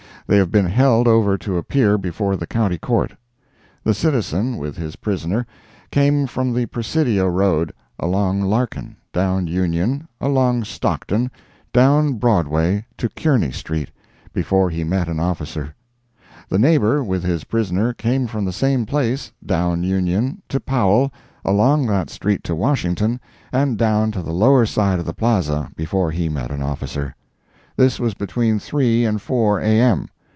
They have been held over to appear before the County Court. The citizen, with his prisoner, came from the Presidio Road, along Larkin, down Union, along Stockton, down Broadway to Kearny street, before he met an officer. The neighbor, with his prisoner, came from the same place, down Union to Powell, along that street to Washington, and down to the lower side of the Plaza, before he met an officer. This was between three and four, A. M.